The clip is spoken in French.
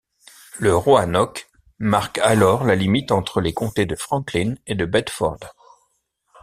Le Roanoke marque alors la limite entre les comtés de Franklin et de Bedford.